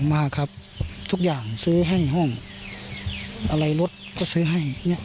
มาครับทุกอย่างซื้อให้ห้องอะไรรถก็ซื้อให้